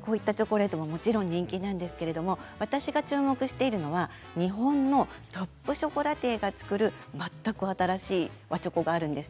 こういったチョコレートももちろん人気なんですけれども私が注目しているのは日本のトップショコラティエが作る全く新しい和チョコがあるんです。